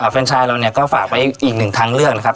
แฟนชายเราก็ฝากไว้อีก๑ทางเลือกนะครับ